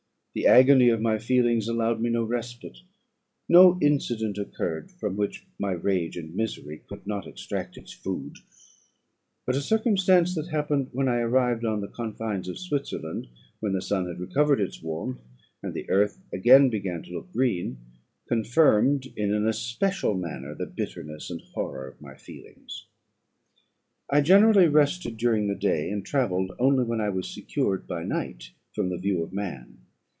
The agony of my feelings allowed me no respite: no incident occurred from which my rage and misery could not extract its food; but a circumstance that happened when I arrived on the confines of Switzerland, when the sun had recovered its warmth, and the earth again began to look green, confirmed in an especial manner the bitterness and horror of my feelings. "I generally rested during the day, and travelled only when I was secured by night from the view of man.